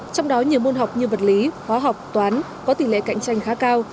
trong đó nhiều môn học như vật lý hóa học toán có tỷ lệ cạnh tranh khá cao